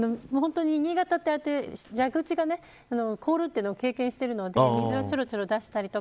新潟では蛇口が凍るというのを経験しているので水は、ちょろちょろ出したりとか